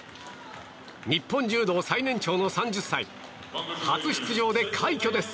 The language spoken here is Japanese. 日本柔道最年長の３０歳初出場で快挙です。